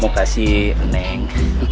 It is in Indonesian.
mau kasih eneng